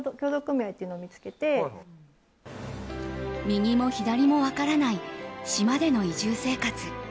右も左も分からない島での移住生活。